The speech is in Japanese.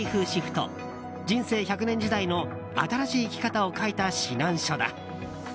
人生１００年時代の新し生き方を書いた指南書だ。